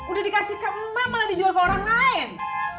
udah dikasih ke emak malah dijual ke orang lain